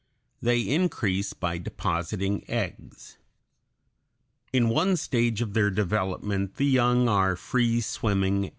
They increase by depositing eggs. In one stage of their development the young (Fig.